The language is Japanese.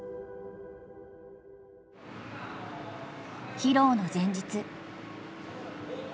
披露の前日。